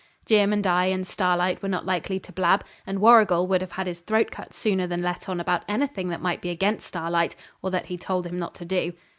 Jim and I and Starlight were not likely to blab, and Warrigal would have had his throat cut sooner than let on about anything that might be against Starlight, or that he told him not to do.